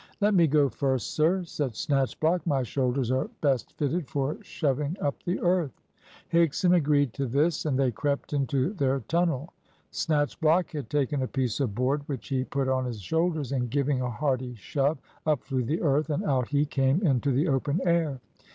"Let me go first, sir," said Snatchblock; "my shoulders are best fitted for shoving up the earth." Higson agreed to this, and they crept into their tunnel. Snatchblock had taken a piece of board which he put on his shoulders, and, giving a hearty shove, up flew the earth, and out he came into the open air.